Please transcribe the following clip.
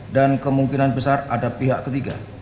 dan kemungkinan besar ada pihak ketiga